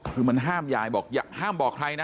คือมันห้ามยายบอกอย่าห้ามบอกใครนะ